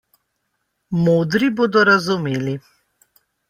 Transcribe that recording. Modri bodo razumeli.